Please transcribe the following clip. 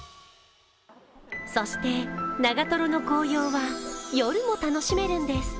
そして、長瀞の紅葉は夜も楽しめるんです。